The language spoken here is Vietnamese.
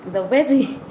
dấu vết gì